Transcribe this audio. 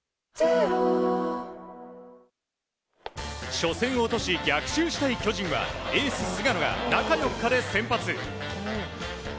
初戦を落とし逆襲したい巨人はエース菅野が中４日で先発。